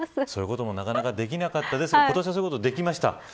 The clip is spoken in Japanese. そういうこともなかなかできなかったですが今年はそういうこともできました。